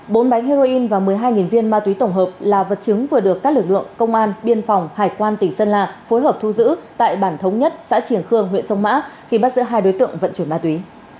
bốn bánh heroin và một mươi hai viên ma túy tổng hợp là vật chứng vừa được các lực lượng công an biên phòng hải quan tỉnh sơn la phối hợp thu giữ tại bản thống nhất xã triển khương huyện sông mã khi bắt giữ hai đối tượng vận chuyển ma túy